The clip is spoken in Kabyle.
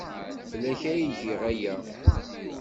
Fell-ak ay giɣ aya.